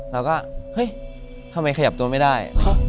เราก็เฮ้ยทำไมขยับตัวไม่ได้